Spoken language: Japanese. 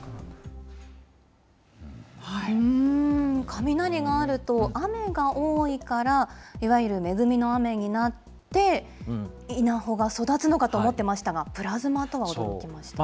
雷があると、雨が多いから、いわゆる恵みの雨になって、稲穂が育つのかと思っていましたが、プラズマとは驚きました。